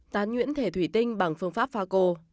tán nhuyễn thể thủy tinh bằng phương pháp pha cô